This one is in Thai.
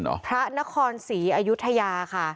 พระนครศรีอยุธยาค่ะ